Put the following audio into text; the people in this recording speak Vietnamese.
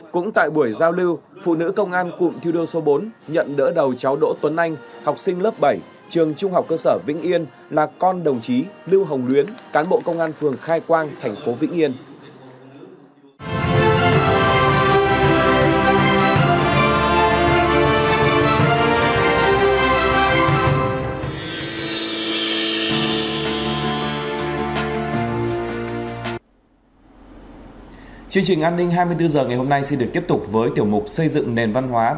cũng tại buổi giao lưu phụ nữ công an cụm thi đua số bốn nhận đỡ đầu cháu đỗ tuấn anh học sinh lớp bảy trường trung học cơ sở vĩnh yên là con đồng chí lưu hồng luyến cán bộ công an phường khai quang thành phố vĩnh yên